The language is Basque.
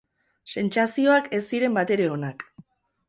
Sentsazioak ez ziren batere onak.